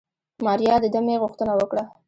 ماريا د دمې غوښتنه وکړه.